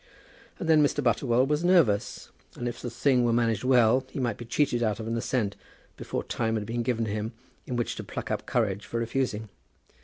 And then Mr. Butterwell was nervous, and if the thing was managed well, he might be cheated out of an assent, before time had been given him in which to pluck up courage for refusing.